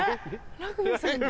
ラグビーさんだ。